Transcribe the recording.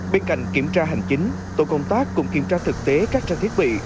bên cạnh kiểm tra hành chính tổ công tác cũng kiểm tra thực tế các trang thiết bị